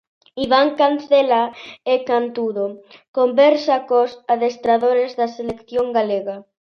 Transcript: Iván Cancela e Cantudo: conversa cos adestradores da selección galega.